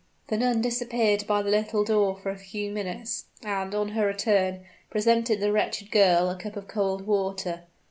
The nun disappeared by the little door for a few minutes; and, on her return, presented the wretched girl a cup of cold water.